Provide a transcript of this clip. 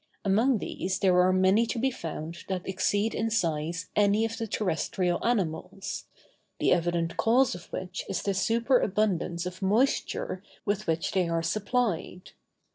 Among these there are many to be found that exceed in size any of the terrestrial animals; the evident cause of which is the superabundance of moisture with which they are supplied.